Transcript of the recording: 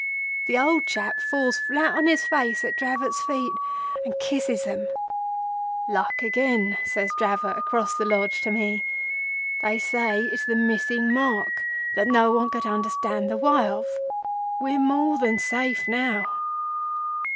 The old chap falls flat on his face at Dravot's feet and kisses 'em. 'Luck again,' says Dravot, across the Lodge to me, 'they say it's the missing Mark that no one could understand the why of. We're more than safe now.